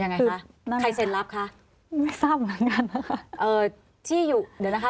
ยังไงคะใครเซ็นลับคะที่อยู่เดี๋ยวนะคะ